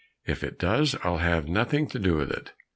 "If it does, I'll have nothing to do with it."